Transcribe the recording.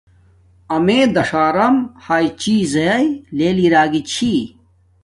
امیے داݽارم ہیݵ چیزݵ لیل اراگی چھی